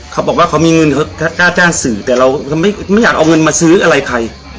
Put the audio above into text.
เขาบอกว่าเขามีเงินเขากล้าจ้างสื่อแต่เราไม่อยากเอาเงินมาซื้ออะไรใคร